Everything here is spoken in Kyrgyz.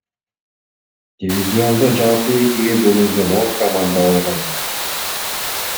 Дивизиондо жалпы экиге бөлүнгөн он команда болгон.